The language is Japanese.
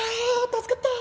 助かった！